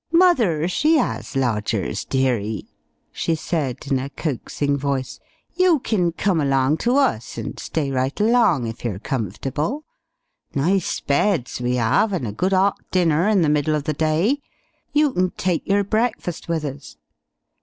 "Mother, she 'as lodgers, dearie," she said in a coaxing voice. "You kin come along to us, and stay right along, if you're comfortable. Nice beds we 'ave, and a good 'ot dinner in the middle uv the day. You kin take yer breakfast with us.